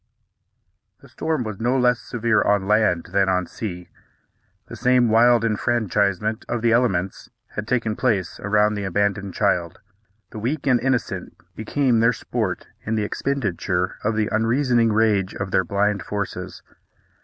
The storm was no less severe on land than on sea. The same wild enfranchisement of the elements had taken place around the abandoned child. The weak and innocent become their sport in the expenditure of the unreasoning rage of their blind forces.